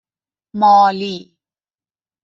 مالی